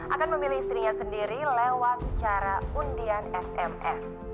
akan memilih istrinya sendiri lewat cara undian sms